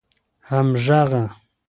همږغه